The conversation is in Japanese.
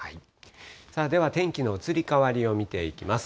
では天気の移り変わりを見ていきます。